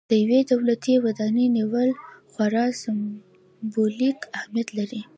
د یوې دولتي ودانۍ نیول خورا سمبولیک اهمیت لري.